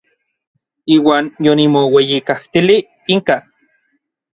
Iuan yonimoueyijkatilij inka.